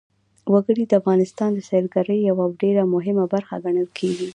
وګړي د افغانستان د سیلګرۍ یوه ډېره مهمه برخه ګڼل کېږي.